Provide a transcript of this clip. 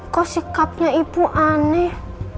kok sikapnya ibu aneh